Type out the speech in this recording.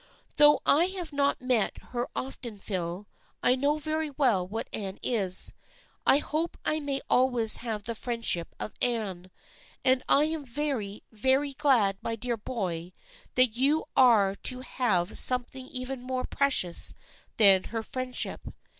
" Though I have not met her often, Phil, I know very well what Anne is. I hope I may always have the friendship of Anne. And I am very, very glad, my dear boy, that you are to have something even more precious than her friend ship."